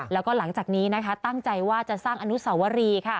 แล้วก็หลังจากนี้ตั้งใจว่าจะสร้างอนุสวรี